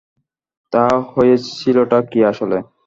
তা, হয়েছিলটা কী আসলে?